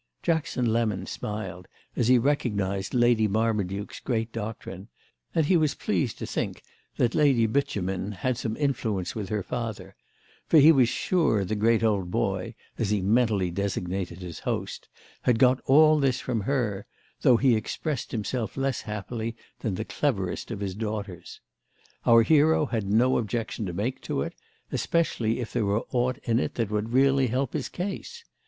Jackson Lemon smiled as he recognised Lady Marmaduke's great doctrine, and he was pleased to think Lady Beauchemin had some influence with her father; for he was sure the great old boy, as he mentally designated his host, had got all this from her, though he expressed himself less happily than the cleverest of his daughters. Our hero had no objection to make to it, especially if there were aught in it that would really help his case.